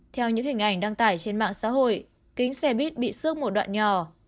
theo những hình ảnh đăng tải trên mạng xã hội kính xe buýt bị xước một đoạn nhỏ